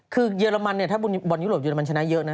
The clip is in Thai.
คือเยอรมันเนี่ยถ้าบอลยุโรปเรมันชนะเยอะนะ